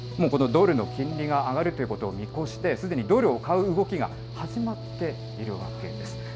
このドルの金利が上がるということを見越して、すでにドルを買う動きが始まっているわけです。